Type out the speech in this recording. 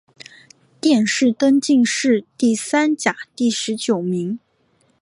殿试登进士第三甲第十九名。